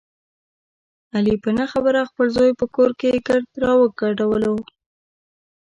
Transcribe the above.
علي په نه خبره خپل زوی په کور کې ګرد را وګډولو.